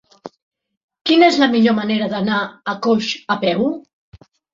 Quina és la millor manera d'anar a Coix a peu?